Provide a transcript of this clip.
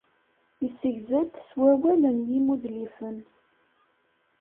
Yessegzi-d s wallal n yimudlifen.